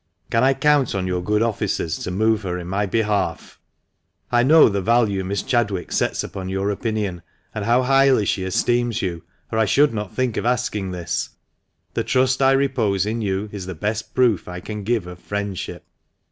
Can I count on your good offices to move her in my behalf? I knoiv the value Miss Chadwick sets on your opinion, and how highly she esteems you, or I should not think of asking this. The trust I repose in you is the best proof I can give of friendship.